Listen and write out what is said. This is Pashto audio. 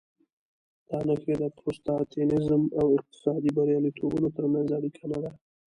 دا نښې د پروتستانېزم او اقتصادي بریالیتوبونو ترمنځ اړیکه نه ده.